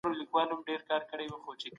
د محلي اقتصاد اغېز څه دی؟